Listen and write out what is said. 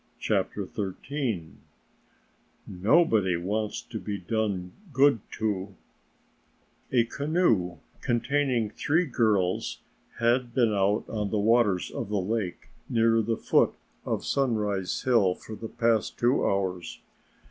CHAPTER XIII "NOBODY WANTS TO BE DONE GOOD TO" A canoe containing three girls had been out on the waters of the lake near the foot of Sunrise Hill for the past two hours.